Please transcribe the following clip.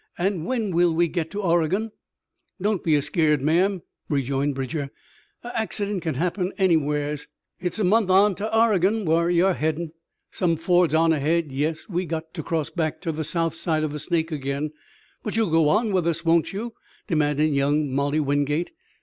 And when will we get to Oregon?" "Don't be a skeered, ma'am," rejoined Bridger. "A accident kin happen anywheres. Hit's a month on ter Oregon, whar ye're headed. Some fords on ahead, yes; we got ter cross back ter the south side the Snake again." "But you'll go on with us, won't you?" demanded young Molly Wingate.